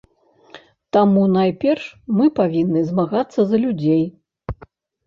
Таму, найперш, мы павінны змагацца за людзей.